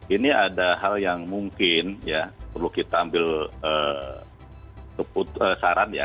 ini ada hal yang mungkin ya perlu kita ambil saran ya